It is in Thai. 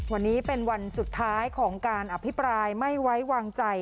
วันนี้เป็นวันสุดท้ายของการอภิปรายไม่ไว้วางใจ